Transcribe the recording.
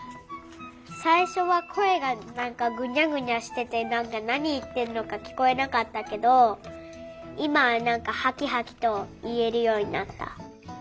最初は声がなんかぐにゃぐにゃしててなんかなにいってんのかきこえなかったけど今はなんかハキハキといえるようになった。